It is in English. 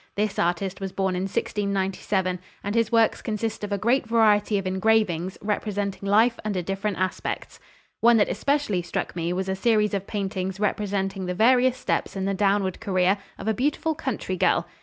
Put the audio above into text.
This artist was born in 1697, and his works consist of a great variety of engravings representing life under different aspects. One that especially struck me was a series of paintings representing the various steps in the downward career of a beautiful country girl.